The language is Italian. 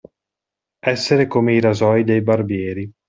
Essere come i rasoi dei barbieri.